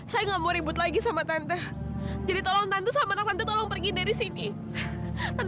sampai jumpa di video selanjutnya